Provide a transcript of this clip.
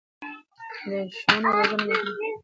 ښوونه او روزنه ماشوم ته لارښوونه کوي.